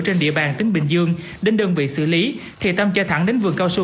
trên địa bàn tỉnh bình dương đến đơn vị xử lý thì tâm cho thẳng đến vườn cao su